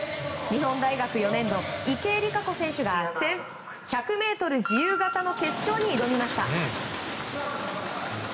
日本大学４年の池江璃花子選手が１００ｍ自由形の決勝に挑みました。